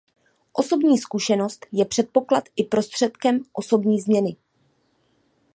Osobní zkušenost je předpoklad i prostředek osobní změny.